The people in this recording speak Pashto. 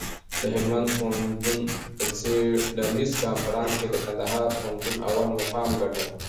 د هلمند پوهنتون په څېړنیز کنفرانس کي د کندهار پوهنتون اول مقام ګټل.